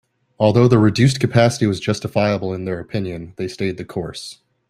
Although the reduced capacity was justifiable in their opinion, they stayed the course.